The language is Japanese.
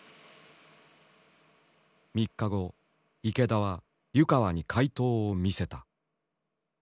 ３日後池田は湯川に解答を見せた。